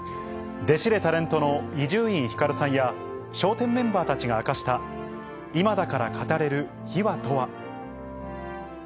弟子でタレントの伊集院光さんや、笑点メンバーたちが明かした今だから語れる秘話とは。